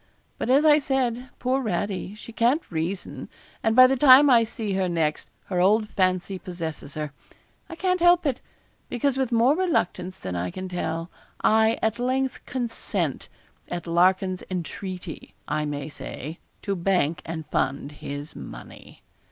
But as I said, poor Radie, she can't reason; and by the time I see her next, her old fancy possesses her. I can't help it; because with more reluctance than I can tell, I at length consent, at Larkin's entreaty, I may say, to bank and fund his money.'